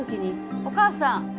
お義母さん。